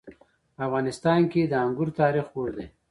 په افغانستان کې د انګور تاریخ اوږد دی.